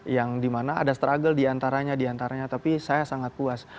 yang dimana ada struggle diantaranya diantaranya tapi saya sangat puas